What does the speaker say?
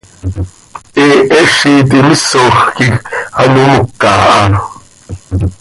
He Hezitmisoj quij ano moca ha.